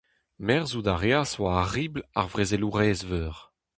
Merzhout a reas war ar ribl ar vrezelourez-veur.